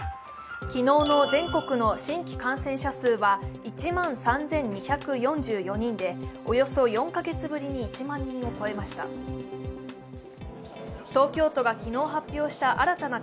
昨日の全国の新規感染者数は１万３２４４人でおよそ４カ月ぶりに１万人を超えました。